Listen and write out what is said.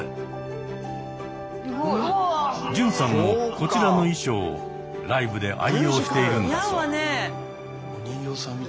純さんもこちらの衣装をライブで愛用しているんだそう。